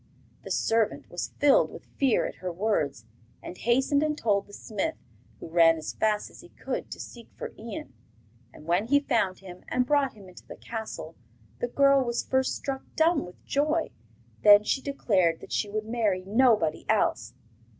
The servant was filled with fear at her words, and hastened and told the smith, who ran as fast as he could to seek for Ian. And when he found him and brought him into the castle, the girl was first struck dumb with joy; then she declared that she would marry nobody else.